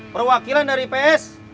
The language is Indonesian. perwakilan dari ps